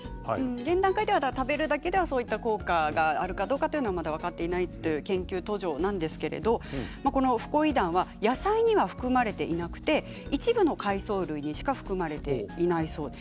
現段階では食べるだけではそういう効果があるか分かっていないという研究途上なんですがフコイダンは野菜には含まれていなくて一部の海藻類にしか含まれていないそうです。